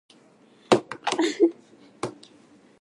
広がりーよ